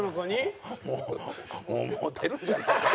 モテるんじゃないかと。